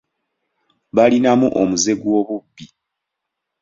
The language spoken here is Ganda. Balinamu omuze ogw'obubbi.